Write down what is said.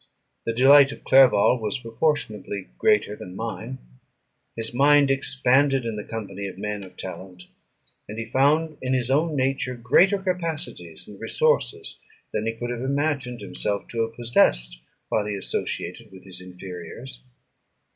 The delight of Clerval was proportionably greater than mine; his mind expanded in the company of men of talent, and he found in his own nature greater capacities and resources than he could have imagined himself to have possessed while he associated with his inferiors.